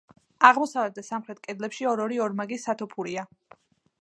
აღმოსავლეთ და სამხრეთ კედლებში ორ-ორი ორმაგი სათოფურია.